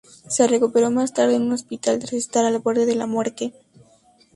Se recuperó más tarde en un hospital tras estar al borde de la muerte.